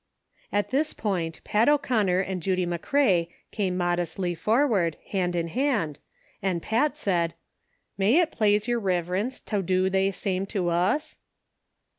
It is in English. At this point, Pat O'Conner and Judy McCrea came modestly forward, hand in hand, and Pat said :" May It plaze yer Riverence tow do they same tow us